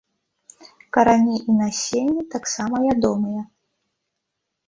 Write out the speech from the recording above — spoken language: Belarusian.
Карані і насенне таксама ядомыя.